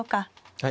はい。